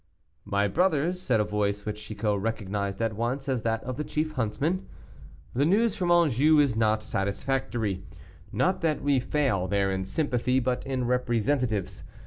"My brothers," said a voice which Chicot recognized at once as that of the chief huntsman, "the news from Anjou is not satisfactory; not that we fail there in sympathy, but in representatives.